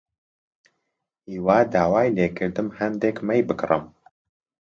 هیوا داوای لێ کردم هەندێک مەی بکڕم.